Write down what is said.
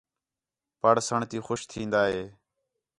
پڑھ سݨ تی خوش تِھین٘دا ہِے